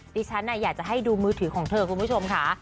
ดิฉันอยากจะให้ดูมือถือของเธอคุณผู้ชมค่ะ